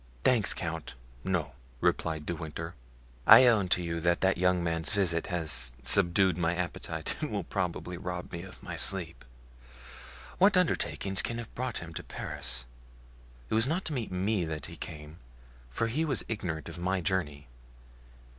"Thanks, count, no," replied De Winter. "I own to you that that young man's visit has subdued my appetite and probably will rob me of my sleep. What undertaking can have brought him to Paris? It was not to meet me that he came, for he was ignorant of my journey.